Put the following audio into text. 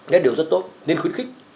đó là điều rất tốt nên khuyến khích